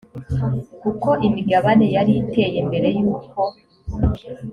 uko imigabane yari iteye mbere y uko